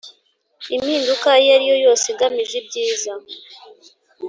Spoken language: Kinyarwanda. Impinduka iyo ari yo yose igamije ibyiza.